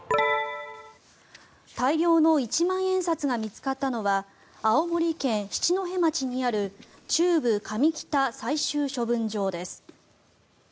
大量の一万円札が見つかったのは青森県七戸町にある中部上北最終処分場です。